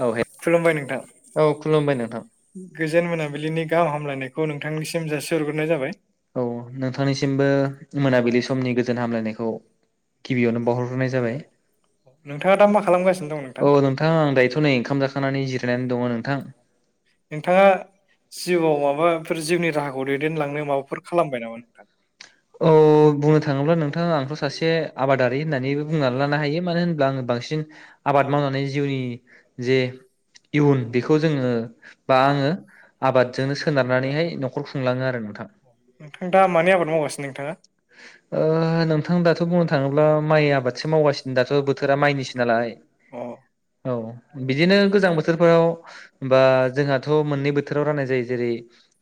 औ हे खुलुमबाय नोंथां औ खुलुमबाय नोंथां गोजोन मोनाबिलिनि गाहाम हामलायनायखौ नोंथांनिसिम जासिहरग्रोनाय जाबाय। औ नोंथांनिसिमबो मोनाबिलि समनि गोजोन हामलायनायखौ गिबियावनो बावहरग्रोनाय जाबाय नोंथाङा दा मा खालामगासिनो दं औ नोंथां आं दा ओंखाम जाखांनानै जिरायनानै दङ नोंथां। नोंथाङा जिउआव माबाफोर जिउनि राहाखौ दैदेनलांनो माबाफोर खालामबाय नामा नोंथां? अ बुंनो थाङोब्ला नोंथाङा आंथ सासे आबादारि होननानैबो बुंनानै लानो हायो मानो होनोबब्ला आङो बांसिन आबाद मावनानै जिउनि जे इयुन बेखौ जोङो बा आङो आबादजोंनो सोनारनानैहाय न'खर खुंलाङो आरो नोंथां। नोंथां दा मानि आबाद मावगासिनो नोंथाङा? ओ नोंथां दाथ' बुंनो थाङोब्ला माइ आबादसो मावगासिनो दाथ' बोथोरा माइनिसो नालाय अ औ बिदिनो गोजां बोथोरफोराव बा जोंहाथ' मोननै बोथोराव राननाय जायो जेरै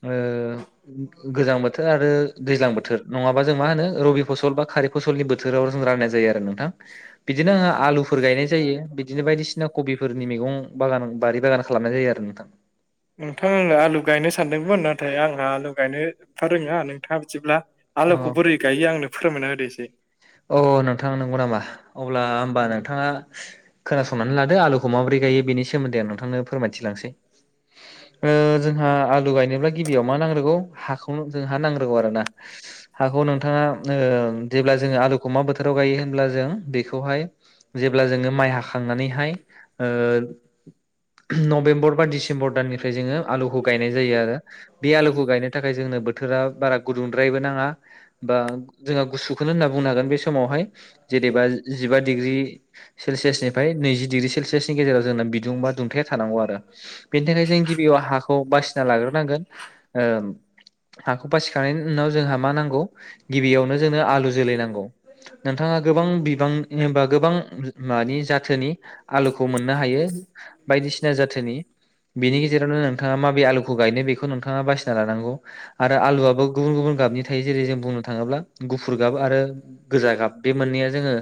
ओ गोजां बोथोर आरो दैज्लां बोथोर नङाबा जों मा होनो रबि फसल बा खारि फसलनि बोथोराव राननाय जायो आरो नोंथां बिदिनो आं आलुफोर गायनाय जायो बिदिनो बायदिसिना कबिफोरनि मैगं बागान बारि बागान खालामनाय जायो आरो नोंथां। नोंथां आङो आलु गायनो सानदोंमोन नाथाय आंहा आलु गायनो‌ एफा रोङा नोंथाङा बिदिब्ला अ आलुखौ बोरै गायो आंनो फोरमायना होदो एसे। अह नोंथां नंगौ नामा? अब्ला होमबा नोंथाङा खोनासंनानै लादो आलुखौ माबोरै गायो बेनि सोमोन्दै आं नोंथांनो फोरमायथि लांसै ओ जोंहा आलु गायनोब्ला गिबियाव मा नांग्रोगौ हाखौनो जों हा नांग्रोगौ आरो ना। हाखौ नोंथाङा ओ जेब्ला जोङो आलुखौ मा बोथोराव गायो होनब्ला जों बेखौहाय जेब्ला जोङो माइ हाखांनानैहाय ओ नभेम्बर बा डिसेम्बर दाननिफ्राय जोङो आलुखौ गायनाय जायो आरो बे आलुखौ गायनो थाखाय जों बोथोरा बारा गुदुंद्रायबो नाङा बा जों गुसु खौनो होनना बुंनो हागोन बे समावहाय जेनेबा जिबा डिग्रि सेलसियासनिफ्राय नैजि डिग्रि सेलसियासनि गेजेराव जोंना बिदुं बा दुंथाया थानांगौ आरो बेनि थाखाय जों गिबियाव हाखौ बासिना लाग्रोनांगोन। ओ हाखौ बासिखनायनि उनाव जों मा नांगौ गिबियावनो जोंनो आलु जोलै नांगौ नोंथाङा गोबां बिबांनि गोबां जाथोनि आलु खौ मोननो हायो बायदिसिना जाथोनि बेनि गेजेरावनो नोंथाङा माबे आलुखौ गायनो बेखौ नोंथाङा बासिना लानांगौ आरो आलुआबो गुबुन गुबुन गाबनि थायो जेरै जों बुंनो थाङोब्ला गुफुर गाब आरो गोजा गाब बे मोननैया जोङो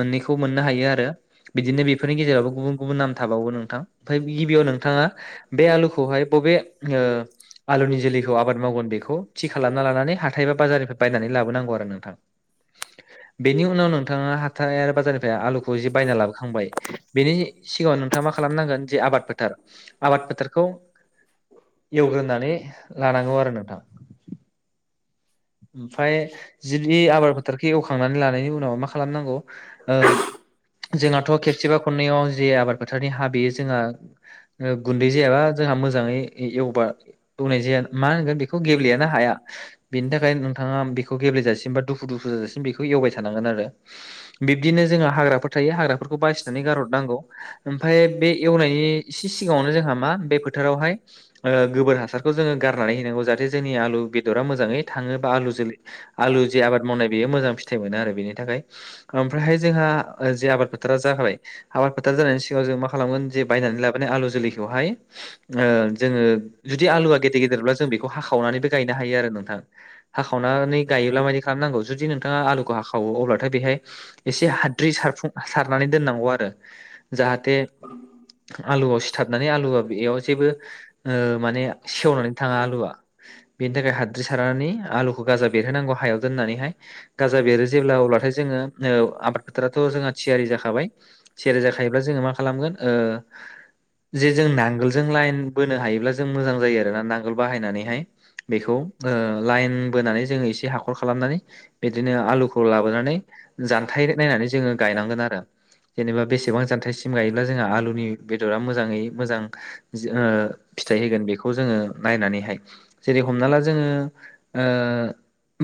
मोननैखौ मोननो हायो आरो। बिदिनो बेफोरनि गेजेरावबो गुबुन गुबुन नाम थाबावो नोंथां ओमफ्राय गिबियाव नोंथाङा बे आलुखौहाय बबे ओ आलुनि जोलैखौ आबाद मावगोन बेखौ थि खालामना लानानै हाथाय बा बाजारनिफ्राय बायनानै लाबोनांगौ आरो नोंथां [inaudible] बेनि उनाव नोंथाङा हाथाय आरो बाजारनिफ्राय आलुखौ जि बायना लाबोखांबाय बेनि सिगाङाव नोंथाङा मा? मा खालामनांगोन जे आबाद फोथार आबाद फोथारखौ एवग्रोनानै लानांगौ आरो नोंथां ओमफाय जुदि आबाद फोथारखौ एवखांनानै लानायनि उनाव मा खालामनांगौ ओ जोंहाथ' खेबसेबा खननैयाव जे आबाद फोथारनि हा बेयो जोंहा ओ गुन्दै जायाबा जों जोंहा मोजाङै एवबा एवनाय जाया मा होनगोन बेखौ गेब्लेयानो हाया बेनि थाखाय नोंथाङा बेखौ गेब्लेेजासिम बा दुफु दुफु जाजासिम बेखौ एवबाय थानांगोन आरो बिब्दिनो जोंहा हाग्राफोर थायो हाग्राफोरखौ बासिनानै गारहरनांगौ ओमफ्राय बे एवनायनि इसे सिगाङावनो जोंहा मा बे फो बोथोरावहाय गोबोर हासारखौ जोङो गारनानै हैनांगौ जाहाथे जोंनि आलु बेदरा मोजाङै थाङो बा आलु जोलै आलु जि आबाद मावनाय बेयो मोजां फिथाइ मोना आरो बेनि थाखाय ओमफ्रायहाय जोंहा ओ जे आबाद फोथारा जाखाबाय आबाद फोथार जानायनि सिगाङाव जों मा खालामगोन जे बायनानै लाबोनाय आलु जोलैखौहाय ओ जोङो जुदि आलुवा गेदेर गेदेरब्ला जों बेखौ हाखावनानैबो गायनो हायो आरो नोंथां हाखावनानै गायोब्ला मादि खालामनांगौ जुदि नोंथाङा आलुखौ हाखावो अब्लाथाय बेहाय एसे हा हाद्रि सारफुं सारनानै दोननांगौ आरो जाहाथे आलुआव सिथाबनानै आलुआ बेयाव जेबो ओ माने सेवनानै थाङा आलुआ बेनि थाखाय हाद्रि सारनानै आलुखौ गाजा बेरहोनांगौ हायाव दोननानैहाय गाजा बेरो जेब्ला अब्लाथाय जोङो औ आबाद फोथाराथ' जोंहा थियारि जाखाबाय थियारि जाखायोब्ला जोङो मा खालामगोन ओ जे जों नांगोलजों लाइन बोनो हायोब्ला जों मोजां जायो आरो ना नांगोल बाहायनानैहाय बेखौ ओ लाइन बोनानै जोङो एसे हाखर खालामनानै बिदिनो आलुखौ लाबोनानै जानथाइ नायनानै जोङो गाय नांगोन आरो जेनेबा बेसेबां जानथाइसिम गायोब्ला जोंहा आलुनि बेदरा मोजाङै मोजां जो ओ फिथाइ होगोन बेखौ जोङो नायनानैहाय जेरै हमना ला जोङो ओ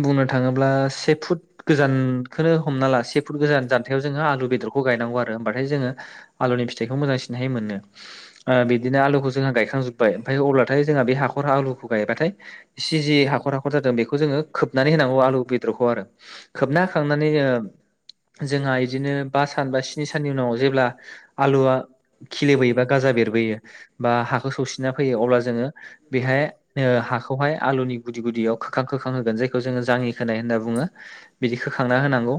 बुंनो थाङोब्ला से फुट गोजानखोनो हमना ला से फुट गोजान जानथायाव जोङो आलु बेदरखौ खौ गायनांगौ आरो ओमबाथाय जोङो आलुनि फिथाइखौ मोजांसिनैहाय मोनो ओ बिबदिनो आखुखौ जोङो गायखां जोबबाय ओमफाय अब्लाथाय जोङा बे हाखर आलुखौ गाबाथाय इसे जि हाखर हाखर जादों बेखौ जोङो खोबनानै होनांगौ आलु बेदरखौ आरो खोबना होखांनानै जोङो जोंहा इदिनो बा सान बा स्नि साननि उनाव जेब्ला आलुआ खिलिबोयोबा बा गाजा बेरबोयो बा हाखौ सौसिना फैयो अब्ला जोङो बेहाय हाखौहाय आलुनि गुदि गुदियाव खोखां खोखां होगोन जायखौ जोङो जाङि होनाय होनना बुङो बिदि खोखांना होनांगौ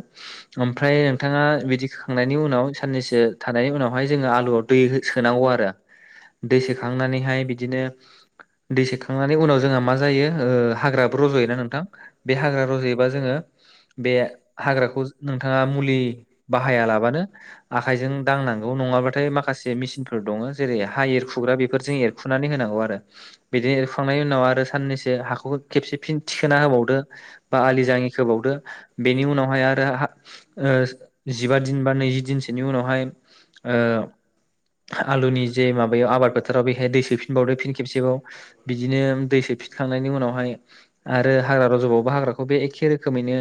ओमफ्राय नोंथाङा बिदि होखांनायनि उनाव साननैसो थानायनि उनावहाय जोङो आलुआव दै सोनांगौ आरो दै सोखांनानैहाय बिदिनो दै सोखांनानै उनाव जोंहा मा जायो ओ हाग्राबो रज'योना नोंथां बे हाग्रा रज'योबा जोङो बे हाग्राखौ नोंथां नोंथाङा मुलि बाहाया लाबानो आखायजों दांनांगौ नङाबाथाय माखासे मेसिनफोर दङो ओ जेरै हा एरखुग्रा बेफोरजों एरखुनानै होनांगौ आरो। बिदिनो एरखु खांनायनि उनाव आ आरो साननैसो हाखौ खेबसे फिन थिखोना होबावदो बा आलि जाङि खोबावदो। बेनि उनावहा आरो हा ओ जिबा दिन बा नैजि दिनसोनि उनावहाय ओ आलुनि जे माबायाव आबाद फोथाराव बेहाय दै सोफिनबावदो फिन खेबसेबाव बिदिनो दै सोफिनखांनायनि उनावहाय आरो हाग्रा रज'बावबा हाग्राखौ बे एखे रोखोमैनो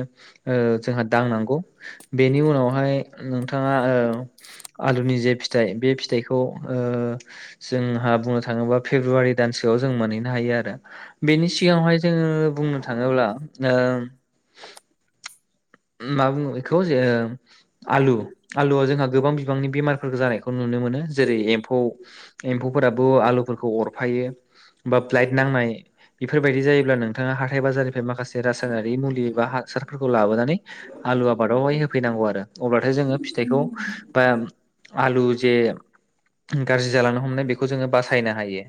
ओ जोंहा दांनांगौ बेनि उनावहाय नोंथाङा ओ आलुनि जे फिथाइ बे फिथाइ खौ ओ जोंहा बुंनो थाङोबा फेब्रुवारि दानसोआव जों मोनहैनो हायो आरो बेनि सिगाङावहाय जोङो बुंनो थाङोब्ला ओ मा बुङो बेखौ जे आलु आलुआ जोंहा गोबां बिबांनि बेमारफोरखौ जानायखौ नुनो नुनो मोनो जेरै एम्फौ एम्फौफोराबो आलुफोरखौ अरफायो बा फ्लाइट नांनाय बिफोरबायदि जायोब्ला नोंथाङा हाथाय बाजारनिफ्राय माखासे रासायनारि मुलि बा हासारफोरखौ लाबोनानै आलु आबादावहाय होफैनांगौ आरो अब्लाथाय जोङो फिथाइखौ बा आलु जे गारजि जालांनो हमनाय बेखौ जोङो बासायनो हायो।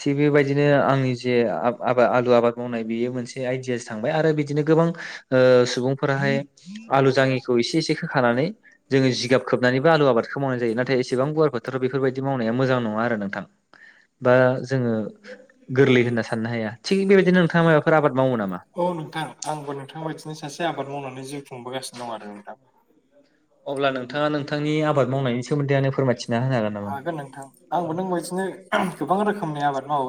थिग बेबायदिनो आंनि जे आब आबा आलु आबाद मावनाय बियो मोनसे आइदियासो थांबाय आरो बिदिनो गोबां ओ सुबुं आलु जाङिखौ एसे एसे होखानानै जोङो जिगाब खोबनानैबो आलु आबादखो मावनाय जायो। नाथाय एसेबां गुवार बोथोरा बेफोरबायदि मावनाया मोजां नङा आरो नोंथां। बा जोङो गोरलै होनना साननो हाया। थिग बेबायदिनो नोंथाङा माबाफोर आबाद मावो नामा? औ नोंथां। आंबो नोंथां बायदिनो सासे आबाद मावनानै जिउ खुंबोगासिनो दं आरो नोंथां। अब्ला नोंथाङा नोंथांनि आबाद मावनायनि सोमोन्दै आंनो फोरमायथिना होनो हागोन नामा? नोंबायदिनो गोबां रोखोमनि आबाद मावो।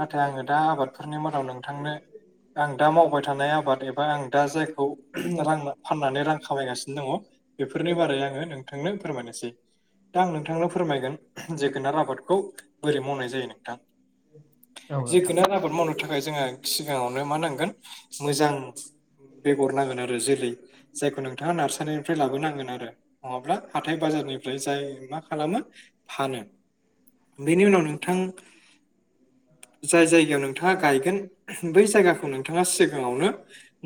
नाथाय आङो दा आबादफोरनि मादाव नोंथांनो आं दा मावबाय थानाय आबाद एबा आं दा जायखौ रां फाननानै रां खामायगासिनो दङ बेफोरनि बारै आङो नोंथांनो फोरमायनोसै। दा आं नोंथांनो फोरमायगोन जोगोनार आबादखौ बोरै मावनाय जायो नोंथां। औ जोगोनार आबाद मावनो थाखाय जोङो सिगाङावनो मा नांगोन मोजां बेगर नांगोन आरो जोलै जायखौ नोंथाङा नार्सारिनिफ्राय लाबोनांगोन आरो। नङाब्ला हाथाय बाजा निफ्राय जाय मा खालामो? फानो। बिनि उनाव नोंथां जाय जायगायाव नोंथाङा गायगोन बै जायगाखौ नोंथाङा सिगाङावनो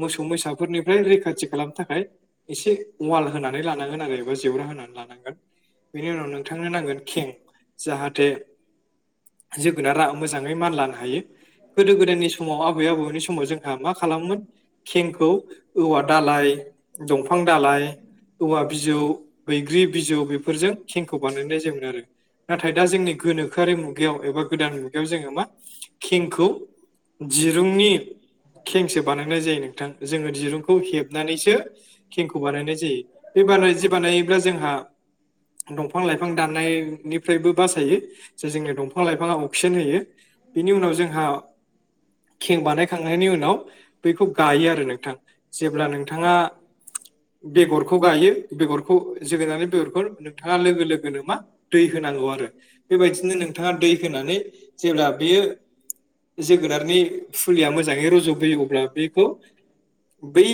मोसौ मोसा बेफोरनिफ्राय रैखाथि खालामनो थाखाय एसे वाल होनानै लानांगोन आरो एबा जेवरा होनान लानांगोन। बेनि उनाव नोंथांनो नांगोन खें जाहाथे जोगोनारा मोजाङै मानलानो हायो। गोदो गोदायनि समाव आबै आबौनि समाव जोंहा मा खाला मोन खेंखौ औवा दालाय दंफां दालाय औवा बिजौ बैग्रि बिजौ बेफोरजों खेंखौ बानायनाय जायोमोन आरो। नाथाय दा जोंनि गोनोखोआरि मुगायाव एबा गोदान मुगायाव जोङो मा खेंखौ दिरुंनि खेंसो बानायनाय जायो नोंथां। जोङो दिरुंखौ हेबनानैसो खेंखौ बानायनाय जायो। बे बानाय जि बानायब्ला जोंहा दंफां लाइफां दाननाय निफ्रायबो बासायो। जे जोंनो दंफां लाइफाङा अक्सिजेन होयो बिनि उनाव जोंहा खें बानायखांनायनि उनाव बैखौ गायो आरो नोंथां। जेब्ला नोंथाङा बेगरखौ गायो। बेगरखौ जोगोनारनि बेगरखौ नोंथाङा लोगो लोगोनो मा दै हो नांगौ आरो। बेबायदिनो नोंथाङा दै होनानै जेब्ला बेयो जोगोनारनि फुलिया मोजाङै रज'बोयो अब्ला बिखौ बै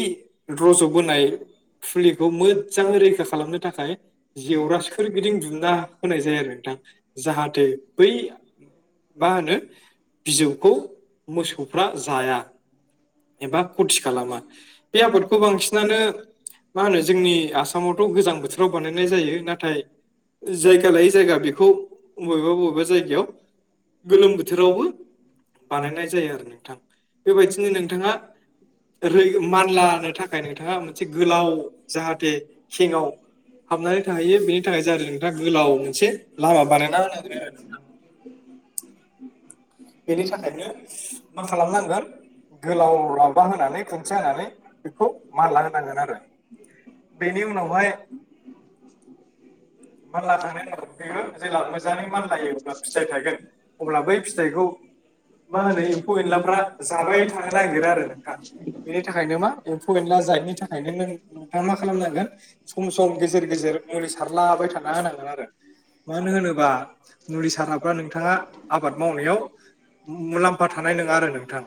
रज'बोनाय फुलिखौ मोजाङै रैखा खालामनो थाखाय जेवरा सोरगिदिं दुना होनाय जायो आरो नोंथां। जाहाथे बै मा होनो बिजौखौ मोसौफ्रा जाया। एबा खथि खालामा बे आबादखौ बांसिनानो मा होनो जोंनि आसामावथ' गोजां बोथोराव बानायनाय जायो नाथाय जायगा लायै जायगा बेखौ बबेबा बबेबा बा जायगायाव गोलोम बोथोरावबो बानायनाय जायो आरो नोंथां। बेबायदिनो नोंथाङा रै मानलानो थाखाय नोंथाङा मोनसे गोलाव जाहाथे खेङाव हाबनानै थाहैयो बेनि थाखाय जाहाथे नोंथाङा गोलाव मोनसे लामा बानायना [inaudible] बेनि थाखायनो मा खालामनांगोन गोलाव रांबा होनानै खुन्थिया होनानै बेखौ माला होनांगोन आरो। बेनि उनावहाय मानला [unintelligible] जेला मोजाङै मान लायोब्ला फिथाइ थागोन अब्ला बै फिथाइखौ मा होनो एम्फौ एनलाफ्रा जाबाय थानो नागिरो आरो नोंथां। बेनि थाखायनो मा एम्फौ एनला जायनि थाखायनो नों नोंथाङा मा खालामनांगोन सम सम गेजेर गेजेर मुलि सारलाबाय थाना होनांगोन आरो। मानो होनोबा मुलि साराफ्रा नोंथाङा आबाद मावनायाव मुलाम्फा थानाय नङा आरो नोंथां।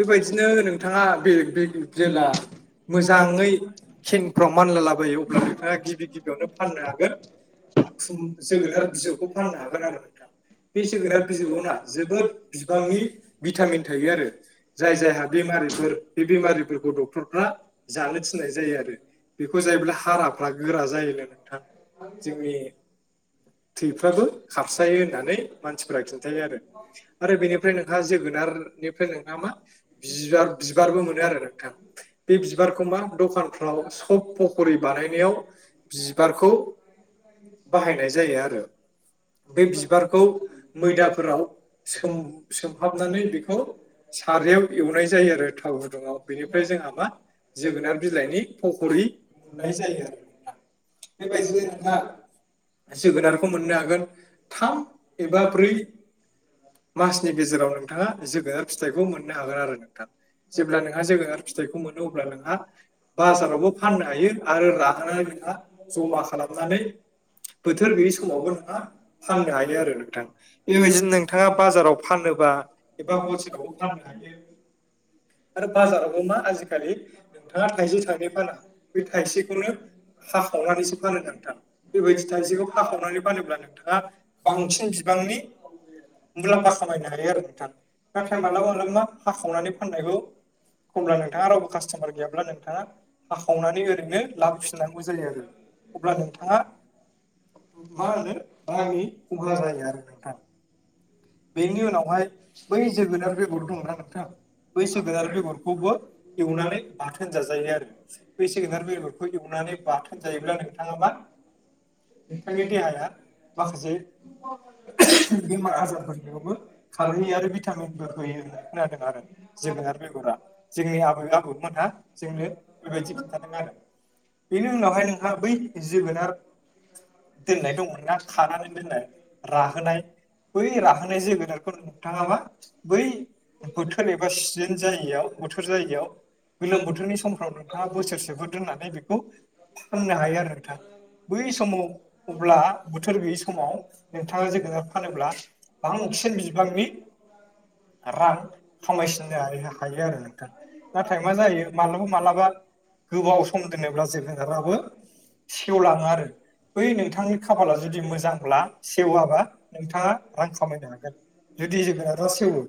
बेबायदिनो नोंथाङा बे बे जेला मोजाङै खनफ्राव मानलालाबायो अब्ला बिथाङा गिबि गिबियावनो फाननो हागोन। जोगोनार बिजौखौ फोंनो हागोन आरो नोंथां बे जोगोनार बिजौ ना जोबोद बिबांनि भिटामिन थायो आरो। जाय जायहा बेमारिफोर बे बेमारिफोरखौ डक्टरफ्रा जानो थिननाय जायो आरो बेखौ जाय जे हाराफ्रा गोरा जायोना नोंथां? जोंनि [unintelligible] थैफ्राबो खारसायो होननानै मानसिफोरा खि थायो आरो आरो बेनिफ्राय नोंहा जोगोनारनिफ्राय नोंहा मा बि-बिबारबो मोनो। नोंथां बे बिबारखौ मा दखनफ्राव सब फखरि बानायनायाव बिबा बारखौ बाहायनाय जायो बै बिबारखौ मैया मैदाफोराव सोम सोमहाबनानै सोंहाबनानै बेखौ सारायाव सागायाव एवनाय जायो थाव गुदुङाव आरो बेनिफ्राय जों जोंहा मा नामा? जोगोनार बिलाइनि फखरि मोननाय जायो आरो। बेबायदिनो नोंहा [unintelligible] दाखौ मोननो हागोन थाम एबा ब्रै मासनि गेजेराव नोंथाङा जोगोनार फिथाइखौ मोननो हागोन आरो नोंथां। जेब्ला नोंहा जोङो आरो फिथाइखौ मोनो अब्ला नोंहा बाजारावबो फाननो हायो आरो लाहोनानै जमा खालामनानै बोथोर गैयै समावबो नोंहा फाननो हायो आरो नोंथां [unintelligible] नोंथाङा बाजाराव फानोबा एबा [unintelligible] आरो बाजारावबो मा आजिखालि नोंथाङा थाइसे थाइनै फाना बे थाइसेखौनो हाखा खावनानैसो फानो नोंथां बेबायदि थाइसेखौ हाखावनानै फानोब्ला नोंथाङा बांसिन बिबांनि मुलाम्फा खामायनो हायो आरो नोंथां नाथाय मालाबा मालाबा हाखावनानै फाननायखौ एखमब्ला नोंथाङा रावबो कास्ट'मार गैयाब्ला नोंथाङा हाखावनानै ओरैनो लाबोफिननांगौ जायो आरो। अब्ला नोंथाङा मा होनो [unintelligible] नि खहा जायो आरो नोंथां। बेनि उनावहाय बै जोगोनार बेगर दंना नोंथां बै जोगोनार बेगरखौबो एवनानै बाथोन जाजायो आरो बे जोगोनार बेगरखौ एवनानै बाथोन जायोब्ला नोंथाङा मा? नोंथांनि देहाया माखासे बेमार आजारफोर बेयावबो खारहोयो आरो भिटामिनबो होयो होनना खोनादों आरो। जोगोनार बेगरा जोंनि आबै आबौमोना जोंनो बेबायदि खिन्थादों आरो। बेनि उनावहाय नोंहा बै जोगोनार दोननाय दंमोन ना खानानै दोननाय राहोनाय बै राहोनाय खौ नोंथाङा मा बै बोथोर एबा सिजेन जायैयाव बोथोर जायैयाव गोलोम बोथोरनि समफ्राव नोंथाङा बोसोरसेफोर दोननानै बेखौ फाननो हायो आरो नोंथां। बै समाव अब्ला बोथोर गैयि समाव नोंथाङा जोगोनार फानोब्ला बांसिन बिबांनि रां खामायसिननो हायो आरो नोंथां नाथाय मा जायो मालाबा मालाबा गोबाव सम दोनोब्ला जोगोनाराबो सेवलाङो आरो। बै नोंथांनि खाफाला जुदि मोजांब्ला सेवाबा नोंथाङा रां खामायनो हागोन जुदि जोगोनारा सेवो